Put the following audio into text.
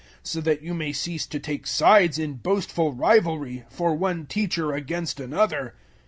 so that you may cease to take sides in boastful rivalry, for one teacher against another.